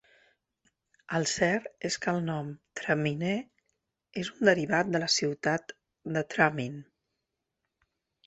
El cert és que el nom de "Traminer" és un derivat de la ciutat de Tramin.